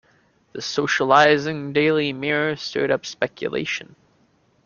The socializing Daily Mirror stirred up speculation.